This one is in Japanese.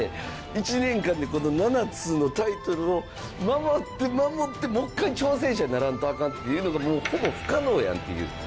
１年間で、この７つのタイトルを守って守ってもう１回、挑戦者にならんとアカンっていうのがもう、ほぼ不可能やんっていう。